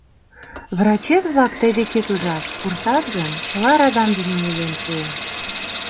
Врачет-влак тый декет ужаш: пуртат гын, чыла радам дене ойлен пуэм...»